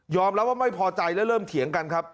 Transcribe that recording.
ยอมแล้วว่าไม่พอใจแล้วเริ่มเถียงกันครับ